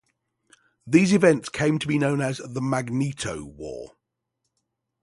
These events came to be known as the "Magneto War".